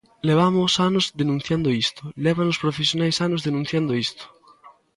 Levamos anos denunciando isto, levan os profesionais anos denunciando isto.